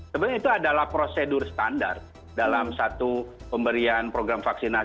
sebenarnya itu adalah prosedur standar dalam satu pemberian program vaksinasi